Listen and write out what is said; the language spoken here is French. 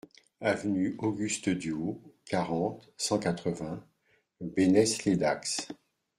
Avenue Auguste Duhau, quarante, cent quatre-vingts Bénesse-lès-Dax